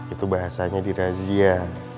itu bahasanya di razia